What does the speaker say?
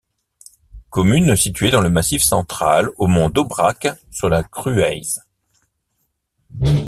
Commune située dans le Massif central, aux monts d'Aubrac, sur la Crueize.